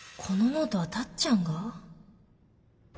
このノートはタッちゃんが？